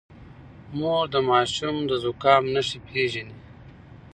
مور د ماشوم د زکام نښې پېژني.